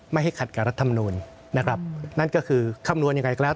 ไม่ให้ขัดกับรัฐนูนนั่นก็คือคำนวณยังไงก็แล้ว